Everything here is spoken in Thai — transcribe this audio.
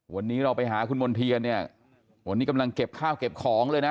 วันนี้เราไปหาคุณมณ์เทียนเนี่ยวันนี้กำลังเก็บข้าวเก็บของเลยนะ